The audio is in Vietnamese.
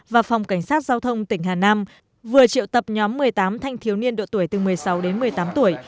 và phòng cảnh sát giao thông tỉnh hà nam vừa triệu tập nhóm một mươi tám thanh thiếu niên độ tuổi từ một mươi sáu đến một mươi tám tuổi